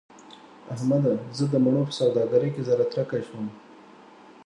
احمده! زه د مڼو په سوداګرۍ کې زهره ترکی شوم.